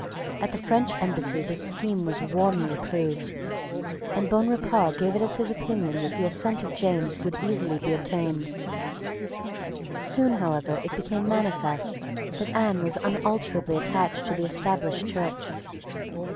At the French embassy this scheme was warmly approved; and Bonrepaux gave it as his opinion that the assent of James would be easily obtained. Soon, however, it became manifest that Anne was unalterably attached to the Established Church.